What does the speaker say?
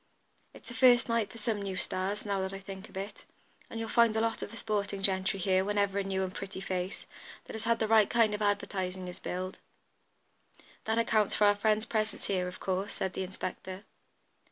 "It's a first night for some new 'stars,' now that I think of it, and you'll find a lot of the sporting gentry here whenever a new and pretty face, that has had the right kind of advertising, is billed. That accounts for our friend's presence here, of course," said the inspector.